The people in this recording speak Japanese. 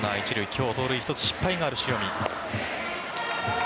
今日、盗塁１つ失敗がある塩見。